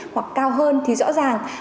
hoặc cao hơn thì rõ ràng